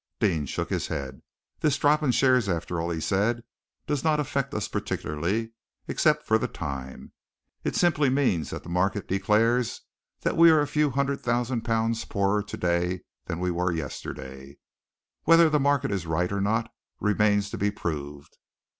Deane shook his head. "This drop in shares, after all," he said, "does not affect us particularly, except for the time. It simply means that the market declares that we are a few hundred thousand pounds poorer to day than we were yesterday. Whether the market is right or not remains to be proved."